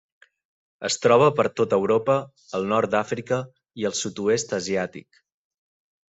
Es troba per tot Europa, el nord d'Àfrica i el sud-oest asiàtic.